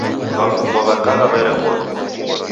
W'afungwa w'a kala w'erekoghe.